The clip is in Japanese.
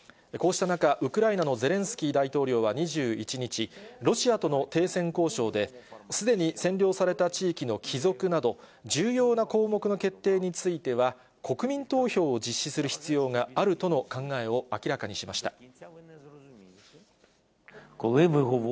こうした中、ウクライナのゼレンスキー大統領は２１日、ロシアとの停戦交渉で、すでに占領された地域の帰属など、重要な項目の決定については、国民投票を実施する必要があるとの考えを明らかにしました。